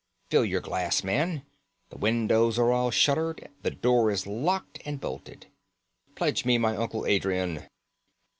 Fill your glass, man! The windows are all shuttered, the door is locked and bolted. Pledge me my uncle Adrian!